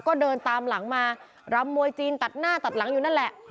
ก็เดินตามหลังมารำมวยจีนตัดหน้าตัดหลังอยู่นั่นแหละ